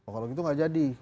kalau gitu gak jadi